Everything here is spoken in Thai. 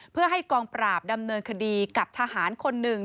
เพื่อให้กองปราบดำเนินคดีกับทหารคนหนึ่ง